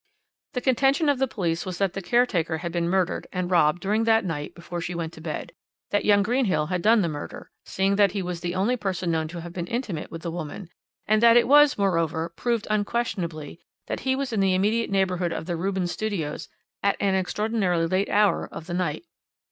"The contention of the police was that the caretaker had been murdered and robbed during that night before she went to bed, that young Greenhill had done the murder, seeing that he was the only person known to have been intimate with the woman, and that it was, moreover, proved unquestionably that he was in the immediate neighbourhood of the Rubens Studios at an extraordinarily late hour of the night.